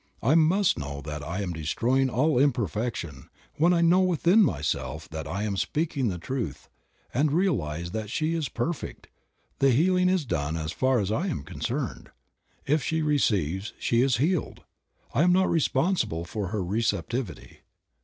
I must know that I am destroying all imperfection ; when I know within myself that I am speaking the truth and realize that she is perfect, the healing is done as far as I am concerned. If she receives she is healed ; I am not responsible for her receptivity.